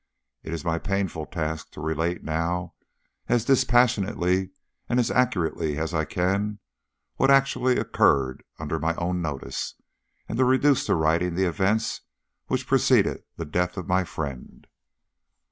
It is my painful task to relate now, as dispassionately and as accurately as I can, what actually occurred under my own notice, and to reduce to writing the events which preceded the death of my friend.